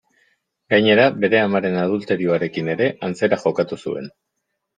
Gainera, bere amaren adulterioarekin ere, antzera jokatu zuen.